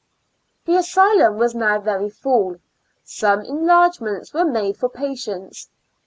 The asylum was now very full; some en largements were made for patients.